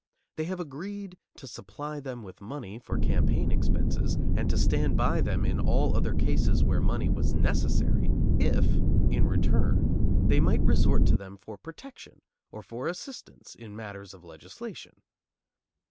They have agreed to supply them with money for campaign expenses and to stand by them in all other cases where money was necessary if in return they might resort to them for protection or for assistance in matters of legislation.